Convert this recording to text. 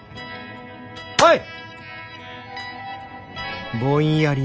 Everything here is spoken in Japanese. はい。